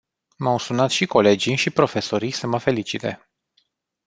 M-au sunat și colegii și profesorii să mă felicite.